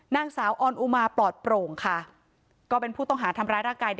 นางสาวออนอุมาปลอดโปร่งค่ะก็เป็นผู้ต้องหาทำร้ายร่างกาย